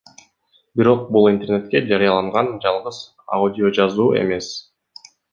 Бирок бул интернетке жарыяланган жалгыз аудиожазуу эмес.